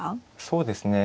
そうですね。